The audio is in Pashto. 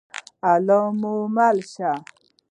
الله مو مل شه؟